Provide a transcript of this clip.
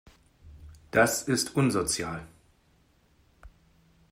Das ist unsozial.